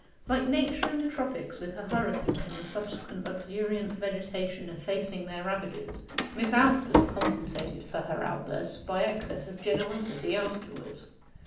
Like Nature in the tropics, with her hurricanes and the subsequent luxuriant vegetation effacing their ravages, Miss Aldclyffe compensated for her outbursts by excess of generosity afterwards.